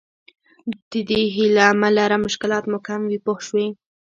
د دې هیله مه لره مشکلات مو کم وي پوه شوې!.